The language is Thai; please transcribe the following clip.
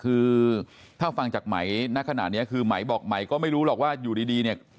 คือถ้าฟังจากไหมณขณะนี้คือไหมบอกไหมก็ไม่รู้หรอกว่าอยู่ดีเนี่ย